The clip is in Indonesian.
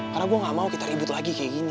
karena gue gak mau kita ribut lagi kayak gini